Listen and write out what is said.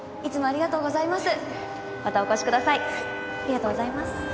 ありがとうございます。